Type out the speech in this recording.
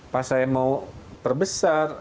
pas saya mau perbesar